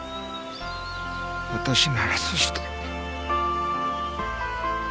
私ならそうした。